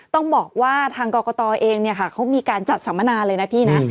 ต้องบอกว่าทางกรกตเองเขามีการจัดสัมมนาเลยนะพี่นะ